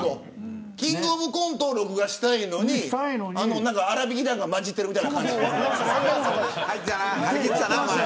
キングオブコントを録画したいのになんか、あらびき団が混じってるみたいな感じ。